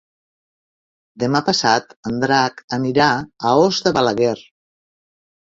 Demà passat en Drac anirà a Os de Balaguer.